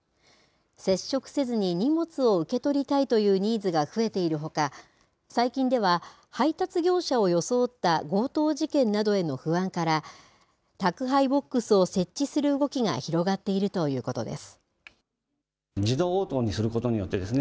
接触せずに荷物を受け取りたいというニーズが増えているほか、最近では、配達業者を装った強盗事件などへの不安から、宅配ボックスを設置する動きが広がっているということです。